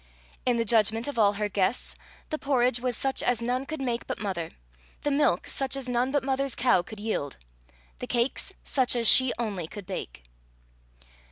In the judgment of all her guests, the porridge was such as none could make but mother, the milk such as none but mother's cow could yield, the cakes such as she only could bake.